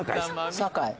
酒井？